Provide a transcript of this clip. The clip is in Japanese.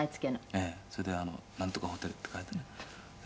谷村：それでなんとかホテルって書いてある。